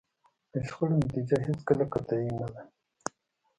د شخړو نتیجه هېڅکله قطعي نه ده.